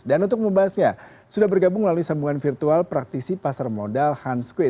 dan untuk membahasnya sudah bergabung melalui sambungan virtual praktisi pasar modal hans kuit